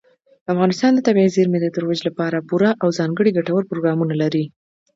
افغانستان د طبیعي زیرمې د ترویج لپاره پوره او ځانګړي ګټور پروګرامونه لري.